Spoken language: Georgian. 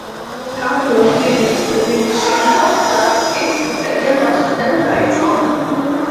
კარლოს დიდის შემდგომ, ფრანკთა იმპერიამ დასუსტება დაიწყო.